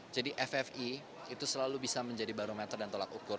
jadi ffv itu selalu bisa menjadi barometer dan tolak ukur